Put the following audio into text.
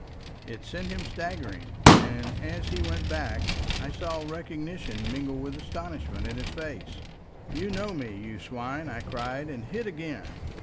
It sent him staggering, and as he went back I saw recognition mingle with astonishment in his face. "You know me, you swine," I cried and hit again.